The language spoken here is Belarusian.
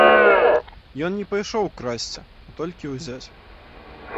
Ён не пайшоў красці, а толькі ўзяць.